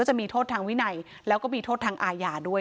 จะมีโทษทางวินัยและอาอยา